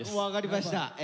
分かりました。